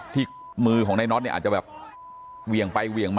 ที่มือของนายน็อตเนี่ยอาจจะแบบเหวี่ยงไปเหวี่ยงมา